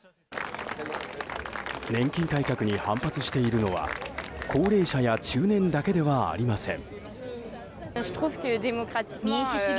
年金改革に反発しているのは高齢者や中年だけではありません。